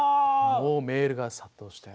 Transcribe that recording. もうメールが殺到して。